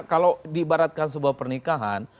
kalau diibaratkan sebuah pernikahan